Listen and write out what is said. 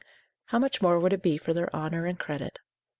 How much more would it be for their honour and credit?